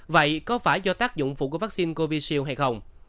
vậy có phải do tác dụng phụ của vaccine covid hay không